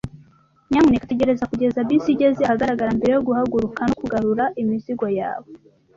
Nyamuneka tegereza kugeza bisi igeze ahagarara mbere yo guhaguruka no kugarura imizigo yawe.